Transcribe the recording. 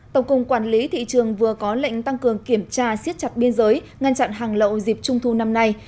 tổng cục quản lý thị trường vừa có lệnh tăng cường kiểm tra siết chặt biên giới ngăn chặn hàng lậu dịp trung thu năm nay